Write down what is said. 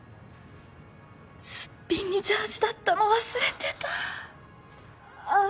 すっぴんにジャージだったの忘れてたああ